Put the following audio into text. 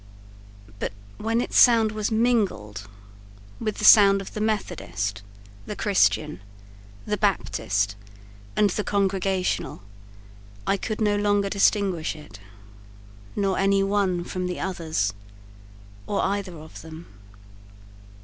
But when its sound was mingled With the sound of the Methodist, the Christian, The Baptist and the Congregational, I could no longer distinguish it, Nor any one from the others, or either of them.